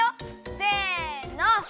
せの！